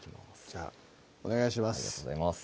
じゃあお願いします